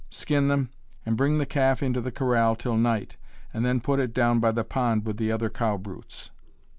Skin them and bring the calf into the corral till night, and then put it down by the pond with the other cow brutes."